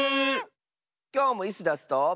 きょうもイスダスと。